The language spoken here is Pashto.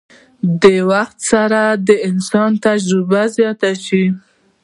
د وخت سره د انسان تجربه زياته شي